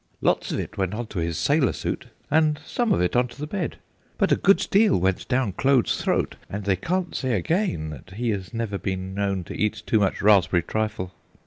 Lots of it went on to his sailor suit and some of it on to the bed, but a good deal went down Claude's throat, and they can't say again that he has never been known to eat too much raspberry trifle.